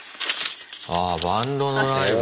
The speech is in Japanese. ああバンドのライブ。